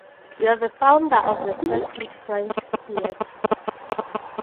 You are the founder of the second French Theatre.